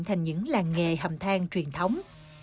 thành những làng nghề hầm thang truyền thống